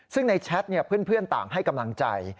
ซึ่งในแชทเพื่อนต่างให้กำลังใจ